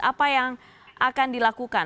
apa yang akan dilakukan